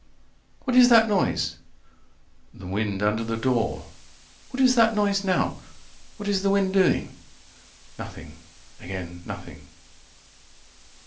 "What is that noise?" The wind under the door. "What is that noise now? What is the wind doing?" Nothing again nothing.